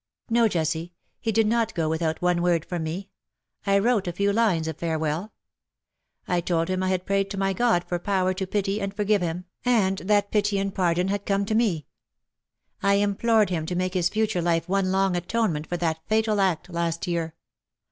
No, Jessie, he did not go without one word from me. I wrote a few lines of farewell. I told him I had prayed to my God for power to pity and forgive him, and that pity and pardon had come to 316 WE HAVE DONE WITH me. I implored him to make Ms future life one long atonement for that fatal act last year.